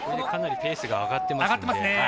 かなりペースが上がってます。